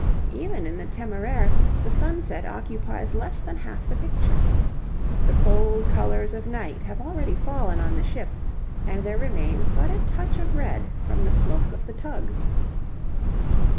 Even in the 'Temeraire,' the sunset occupies less than half the picture. The cold colours of night have already fallen on the ship, and there remains but a touch of red from the smoke of the tug.